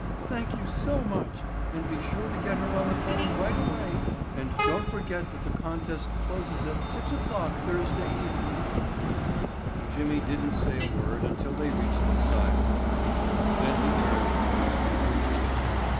Thank you so much and be sure and get her on the phone right away and don't forget that the contest closes at six o'clock Thursday evening." Jimmy didn't say a word until they reached the sidewalk. Then he turned to his friend.